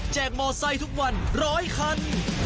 แจกมอเซ็ตทุกวันร้อยคัน